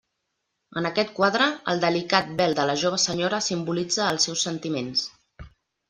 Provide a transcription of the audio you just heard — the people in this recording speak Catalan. En aquest quadre, el delicat vel de la jove senyora simbolitza els seus sentiments.